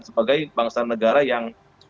sebagai bangsa negara yang